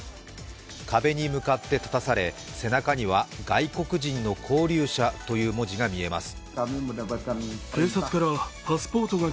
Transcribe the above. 壁に向かって立たされ、背中には外国人の勾留者という文字が見えます。